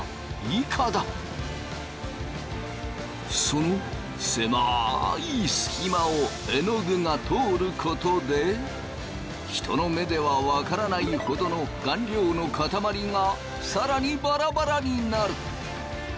その狭い隙間をえのぐが通ることで人の目では分からないほどの顔料のかたまりが更にバラバラになる。